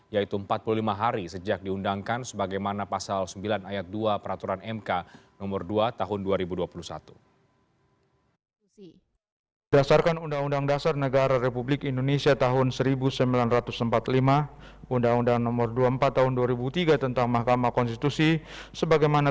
yaitu empat puluh lima hari sejak diundangkan sebagaimana pasal sembilan ayat dua peraturan mk nomor dua tahun dua ribu dua puluh satu